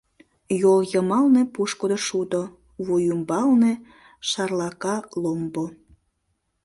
Йол йымалне пушкыдо шудо, вуй ӱмбалне шарлака ломбо.